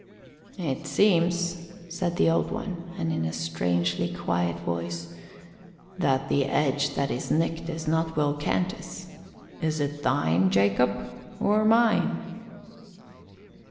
"It seems," said the Old One, and in a strangely quiet voice, "that the edge that is nicked is not Will Canty's. Is it thine, Jacob, or mine?"